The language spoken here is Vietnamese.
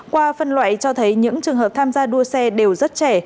qua phân loại cho thấy những trường hợp tham gia đua xe đều rất trẻ